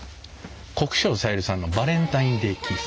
国生さゆりさんの「バレンタインデイ・キッス」。